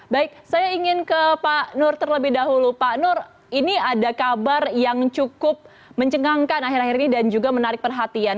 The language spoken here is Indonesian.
baik saya ingin ke pak nur terlebih dahulu pak nur ini ada kabar yang cukup mencengangkan akhir akhir ini dan juga menarik perhatian